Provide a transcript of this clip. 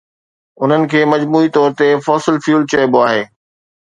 انهن کي مجموعي طور تي فوسل فيول چئبو آهي